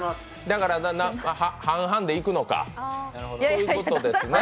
だから半々でいくのかということですね。